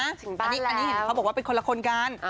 อันนี้เห็นเขาบอกว่าเป็นคนละคนกัน